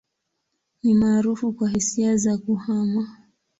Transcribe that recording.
Ni maarufu kwa hisia za kuhama.